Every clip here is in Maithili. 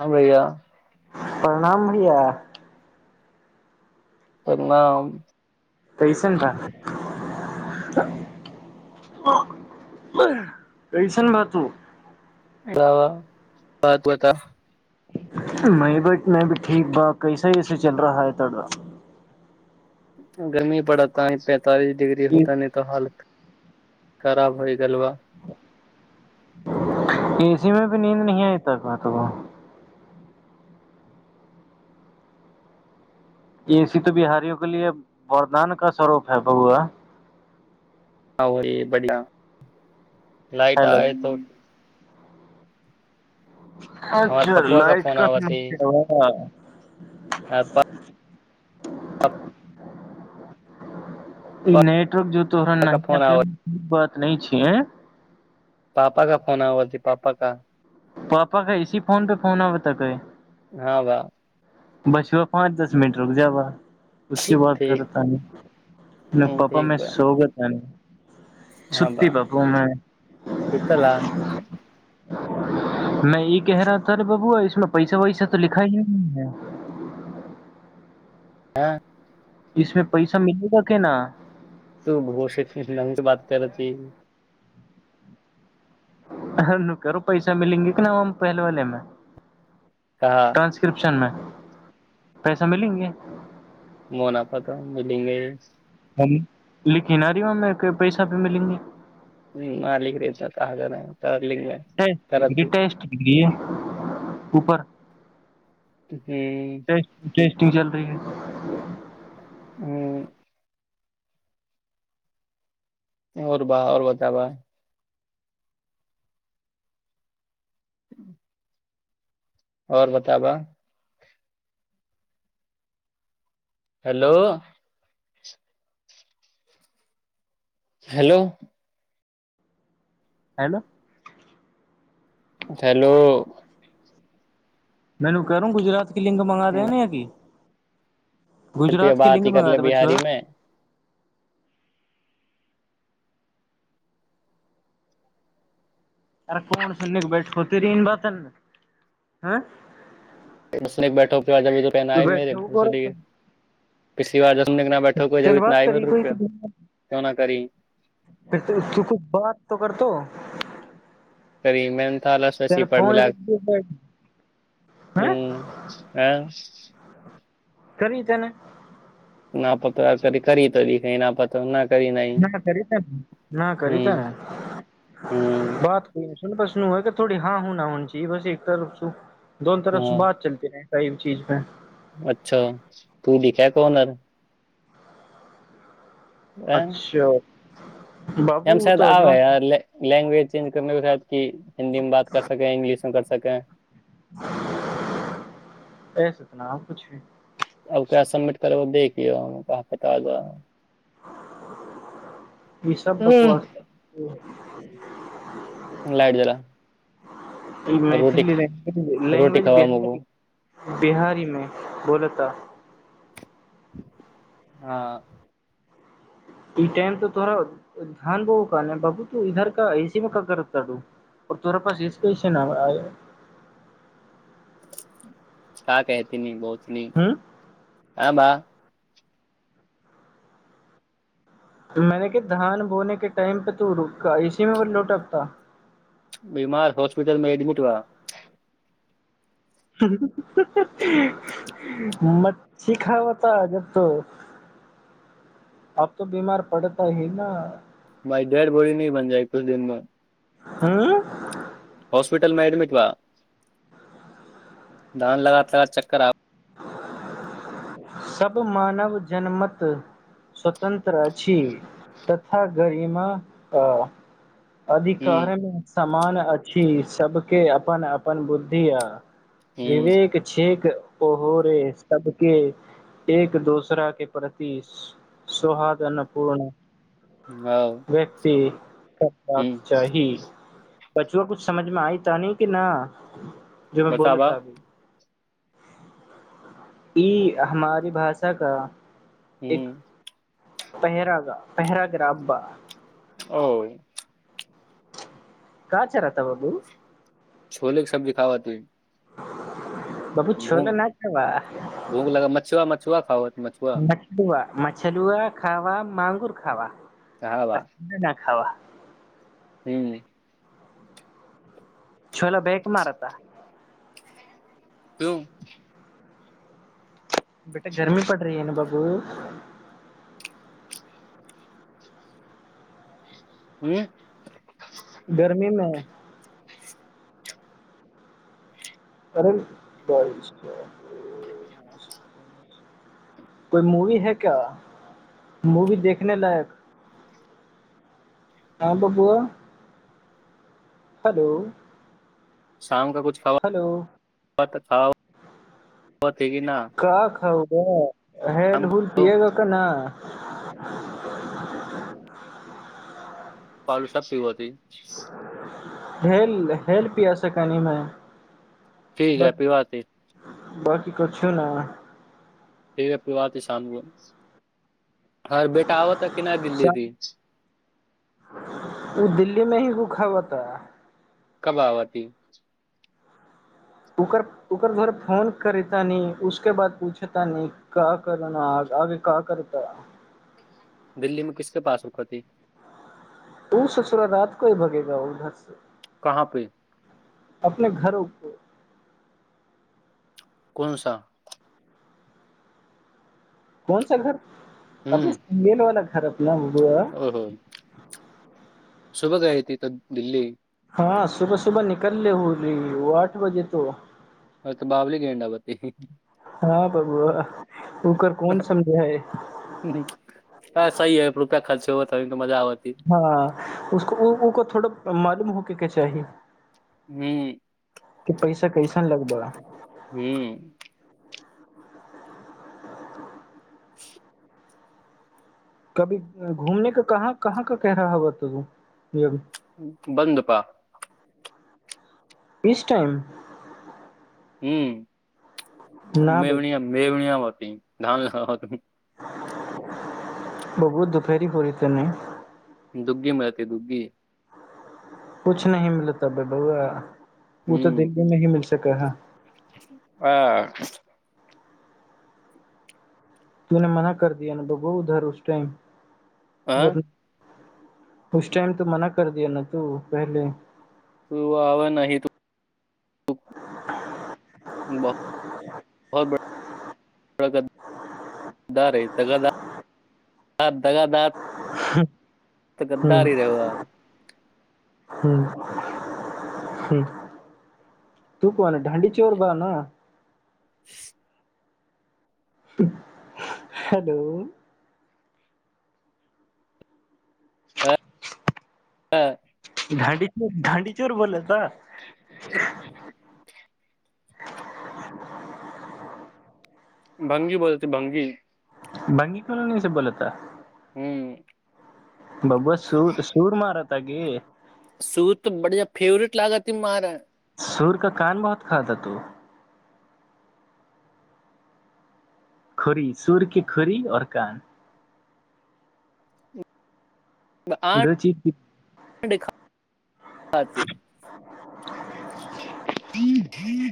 हं भैया प्रणाम भैया प्रणाम कैसन बा कैसन बा तू वाह वाह बात बता नहैबै नहेबै ठीक बा कैसे स चल रहा है तोरा गर्मी पड़त तालीस डिग्री होता नहि त हाल् खराब होइ गल बा एसी में भी नींद नहि आइत त एसी तऽ बिहारियो के लिए वरदान का स्वरूप है ब‌उआ आ बढ़िआ लाइट हेलो आइ तो हमर अच्छा पप्पा लाइट का समस्या बा आ पा अप ई नेटवर्क जो तोहर न का फोन आव नहित नहि छियै पापा का फोन आवत है पापा का पापा का इसी फोन पे फोन आब ताकै हँ बा बस बा पाँच दस मिनट रुक जाब' उसके ठीक बाद करतानी पापा ठीक मैं बा सोगतानी ह बा तेतला मै ई कह रहा था रे बबूआ इसमे पैसा वैसा तऽ लिखा ही नही है हँ इसमे पैसा मिलेगा के न तू बसे मामसँ बात करत ही करो पैसा मिलेंगे केना हम पहलवालेमे कहा ट्रान्सक्रिप्शनमे पैसा मिलेंगे मुनाफा तऽ मिलिंगे हम लिखी न रीमे पैसा भी मिलेंगी ह मालिक रहना ताज तलिमे टेस्ट त लिख भ रही [unintelligible] टेस्ट लिख रही है ऊपर ते [unintelligible] टेस्ट टेस्टिंग चल रही है उं आओर बा आओर बताबा [inaudible] आओर बताबा हैलो हेलो हैलो हैलो मैनू करूं गुजरात किलिंग मंगा दे ने य की फर त य गुजरात की बात लिंक ही मंगा करले दे बछुआ बिहारी मे अरे कोन सुनने के बैठ तेरीन बात ह बस बैठ अभी त पहनाए मे बैठे हो भस पसी आाज तन बात करी को क्यों ना करी तूछ बात त करतौ कर मे लस सीप फोन ही मिलाक रख दिया बैठ। ह हैं आँ [unintelligible] करी त ने न पत कर करी त दि न पत न करी नहीं न कर ते न करी ते ह ने ह बात बसनूह क थोी हँ हुना हन ची बस एकसू दोन तरफ सु ह बात चलती रहै कह चीजमे अच्छा तू लिखा कहनर अच्छा ह एम शायद आै लेंग्वेज चेंज करने के साथ कि हिन्दी में बात कर सकै इंग्लिश कर सकै ह ऐसेतना कुछ भी [unintelligible] अब क्य समिट करे देखिय कहाँ पता आ जा ई सब हम्म, बकवास लाइट जला ई रोटी मैथिली लै रोटी लैंग्वेज खावा मगो बिहारी बिहारीमे बोलत कुत्ता हँ ई टाइम तऽ तोड़रा ध्यान बहु क ने ह बाबू तू इधर का ऐसे मे क करतता दू तोरा पास स्टेशन क कहती न बहुत कनी ह आ ब मैने क धान बोने के टाइम पे तो रुका इसीमे व लौटपता बीमार हॉस्पिटल मे एडमिट बा मचछी खा होता जब तो अब तो बीमार पड़ता ही न भाय डेट बोरी नी बन जाइ किछु दिनमे हँ हॉस्पिटल मे एडमिट बा धान लगा चक्कर आ सब मानव जनमत स्वतन्त्र अछि तथा गरिमा आ हम्म अधिकार मे समान अच्छी सबके अपन अपन बुद्धि आ हम्म विवेक छैेक ओहो रे सदके एक दोसरा के प्रति सुहादन पूर्ण हाँ, व्यक्ति करबाक हम्म चाही बचुआ कुछ समझमे आय तहनी के न जोमें बोले बताबा त अभी ई हमारी भाषा क हू पहिरागा पहिराग रा बा ओ का चारा ता बाबू छोले क सब्जी खाबत हय बाबू भू छोला ना खावा भूख लगै मछुआ मछुआ खाबत हय मछुआ मछलुआ मछलुआ खाब मांगुर खाब कहा पर नहि खाब हू छोले बैक मारता क्यु बेटा गर्मी पड़ रही है न बाबू हँ गर्मीमे अरे ब [unintelligible] कोई मूवी है क्या मूवी देखने लायक हँ बबूआ हेलो शाम क कुछ खाब हेलो तऽ खाउ खाऽथ कि ना ह हेल हूल पिएगऽ क ना [unintelligible] [unintelligible] सीबदी हेल हेल पिया सकानिमे ठीक ह पी बात बकी कुछो ना फेर पिवात इसामो हर बेटा आबऽ तऽ कि नहि दिल्ली दी ओ दिल्ली मे ही भुखा बता कब आबती ओकर ओकर घर फोन करेतानी उसके बाद पूछतानी क करना आगे क करता दिल्ली मे किसके पास रुकती ओ ससुरारात कोही भगेगा उधर से कहाँ पे अपने घरो को कोन सा कोनसा घर अबे ह मेल वाला घर खरब नम्बर ओहो सुबह गई थी तब दिल्ली हँ सुबह सुबह निकलले होलि ओ आठ बजे तो ओ तऽ बाबली गेंडा आबती हँ बबुआ ओकर कोन समझाइ जो बताबे हँ उसको ओको थोड़ म कम होके के चाही हुं कि पैसा कइसन लगबा हू [inaudible] कभी घूमने क कहाँ कहाँ क कह रहा ह तऽ तू य बन्द बा इस टाइम हुं न बबू मेवनिया मेवनिया व धान ह बबुआ दोपहरी हो रही तनी दुग्गी मे रहती दुग्गी कुछ नहि मिल ता बबुआ उ तऽ हूं दुग्गी मे ही मिल तऽ कह आ तूने मना कर दिया न दूगो उधर उस टाइम हाँ, वर उस टाइम तो मना कर दिया न तू पहले [unintelligible] तऽ गद्दारी रहेब ह ह तू कह ने घंडी चोर बा न [inaudible] हेलो हँ घंडी चोर घंडी चोर बोलय तऽ [inaudible] भंगी बोलत भंगी भंगी कोन ऐंगल से बोल ता ह्म बबुआ सूर सूर मारता तागी सूट तऽ बढि़या ज फेवरेट लागा तीमारा सुर का कान बहुत खादा तू खुरी सुरके खड़ी आओर कान अहाँ दो चीज की के हाथी थि थि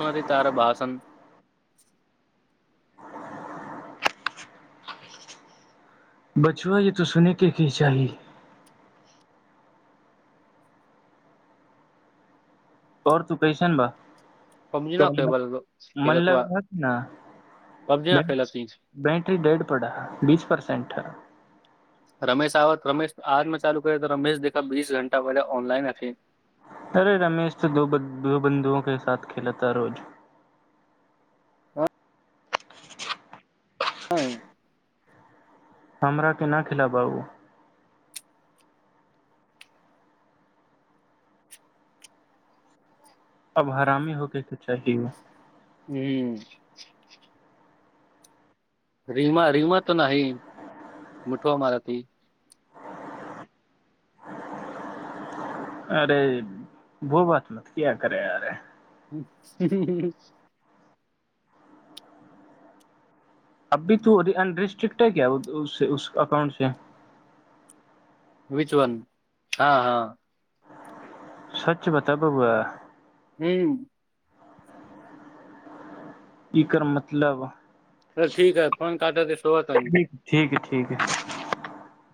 तार बासन बचुआ ये तो सुनेके की चाही आओर तू कैसन बा पबजी त ना खेबल मन खेलत लग बा रहा पबजी ना ने खेलती बैटरी डड पा बीस परसेंट रमेश आबत रमेश आजमे चालू करैऽ रमेश देखा बीस घंटा पहिले ऑनलाइन अछि अरे रमेश तो दो बंधुओं के साथ खेलता रोज हँ [unintelligible] आइ हमरा के ना खिलाबाबू अब हरामी होके तऽ चाही ओ ह्म रीमा रीमा तऽ नहि मुठो मारती अरे वो बात न किया करे अरे ह अबी तो अनरेस्ट्रिक्ट है क्या उस उस अकाउंट से विच वन हँ हँ सच बताब ब‌उआ हू इकर मतलब त ठीक ह फोन काटत सोबतानी ठीक ठीक है ठीक ह